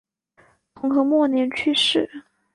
统和末年去世。